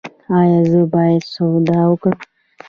ایا زه باید سودا وکړم؟